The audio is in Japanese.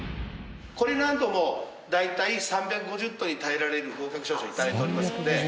これなんかも大体３５０トンに耐えられる合格証書頂いておりますので。